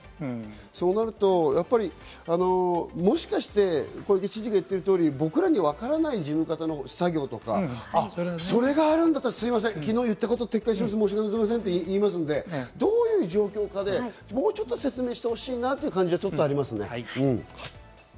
そうなるともしかして、知事が言っている通り、僕らにわからない事務方の作業とか、あ、それがあるんだったらすみません、昨日言ったこと撤回します、申しわけございませんって言いますので、どういう状況かもう少し説明してほしいなというのはありますね。